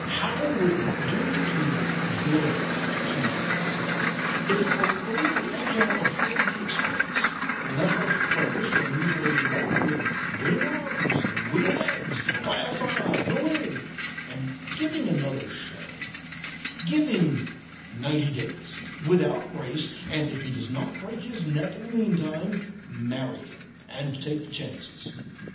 How would it do to build to him? If Aurelia can afford the expense, let her furnish her mutilated lover with wooden arms and wooden legs, and a glass eye and a wig, and give him another show; give him ninety days, without grace, and if he does not break his neck in the mean time, marry him and take the chances.